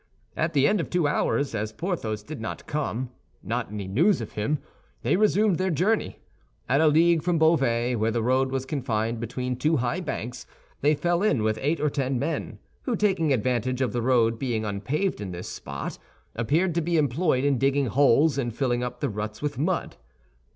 At the end of two hours, as Porthos did not come, not any news of him, they resumed their journey. At a league from Beauvais, where the road was confined between two high banks, they fell in with eight or ten men who, taking advantage of the road being unpaved in this spot, appeared to be employed in digging holes and filling up the ruts with mud.